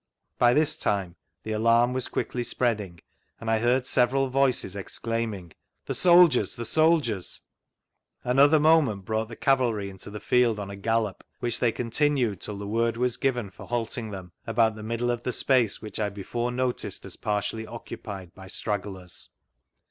By this time the alarm was quickly spreading, and I heard several voices exclaimii^: " Tbs soldiers I the soldiers I "; another moment brought the cavalry into the field on a gallop,> which they continued till the word was given for haltii^ them, about the middle of the space which I before noticed as partially occupied by stragglers.